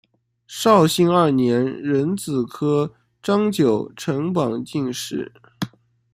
绍兴二年壬子科张九成榜进士。